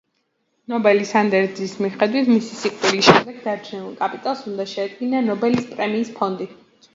ნობელის ანდერძის მიხედვით, მისი სიკვდილის შემდეგ დარჩენილ კაპიტალს უნდა შეედგინა ნობელის პრემიის ფონდი.